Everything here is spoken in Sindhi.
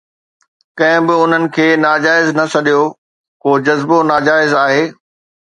ڪنهن به انهن کي ناجائز نه سڏيو، ڪو جذبو ناجائز آهي.